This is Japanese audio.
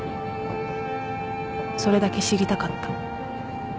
それだけ知りたかった